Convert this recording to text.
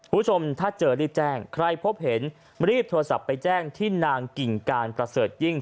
คุณผู้ชมถ้าเจอรีบแจ้งใครพบเห็นรีบโทรศัพท์ไปแจ้งที่นางกิ่งการประเสริฐยิ่ง